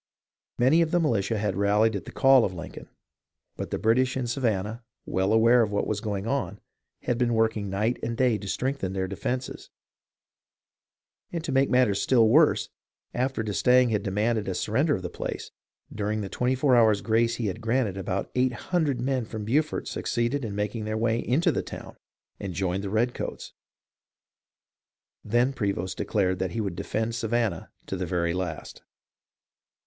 Many of the militia had rallied at the call of Lincoln, but the British in Savan nah, well aware of what was going on, had been working night and day to strengthen their defences, and to make matters still worse, after d'Estaing had demanded a sur render of the place, during the twenty four hours' grace he had granted about eight hundred men from Beaufort suc ceeded in making their way into the town and joined the redcoats. Then Prevost declared that he would defend Savannah to the very last.